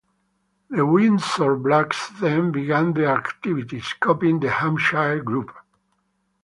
The Windsor Blacks then began their activities, copying the Hampshire group.